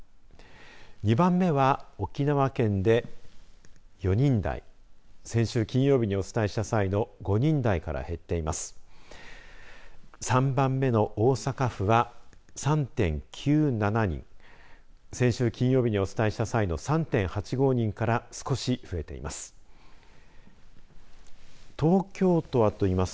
２番目は沖縄県で４人台先週金曜日にお伝えした際の５人台から減っています。